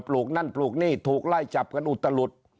ลูกนั่นปลูกนี่ถูกไล่จับกันอุตลุด